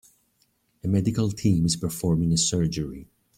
A medical team is performing a surgery.